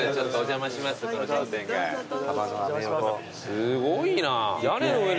すごいな。